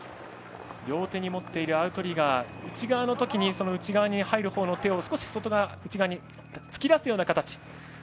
両手に持っているアウトリガー内側のときにその内側に入るほうの手を少し内側に突き出すような形。